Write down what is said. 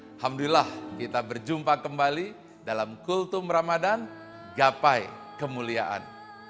alhamdulillah kita berjumpa kembali dalam kultum ramadhan gapai kemuliaan